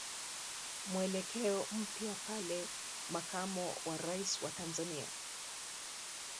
mwelekeo mpya pale Makamo wa Rais wa Tanzania